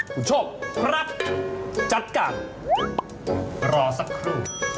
คุณโชคครับจัดการรอสักครู่